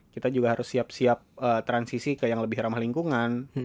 kita juga harus siap siap transisi ke yang lebih ramah lingkungan